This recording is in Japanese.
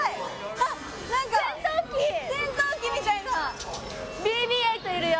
あっなんか戦闘機みたいなＢＢ−８いるよ